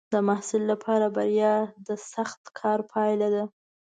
د محصل لپاره بریا د سخت کار پایله ده.